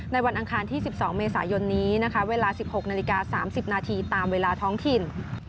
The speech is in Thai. วันอังคารที่๑๒เมษายนนี้นะคะเวลา๑๖นาฬิกา๓๐นาทีตามเวลาท้องถิ่น